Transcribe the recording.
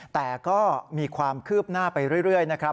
แต่ก็มีความคืบหน้าไปเรื่อยนะครับ